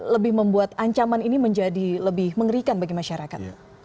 lebih membuat ancaman ini menjadi lebih mengerikan bagi masyarakat